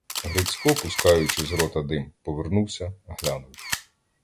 Грицько, пускаючи з рота дим, повернувся, глянув.